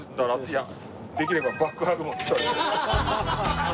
「いやできればバッグハグも」って言われて。